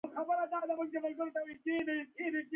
راکټ د فضا د مخابراتو وسیله ده